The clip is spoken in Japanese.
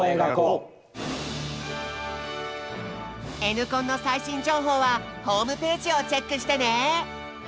「Ｎコン」の最新情報はホームページをチェックしてね！